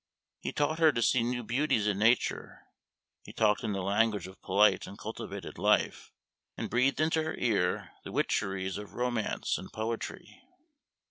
He taught her to see new beauties in Nature; he talked in the language of polite and cultivated life, and breathed into her ear the witcheries of romance and poetry.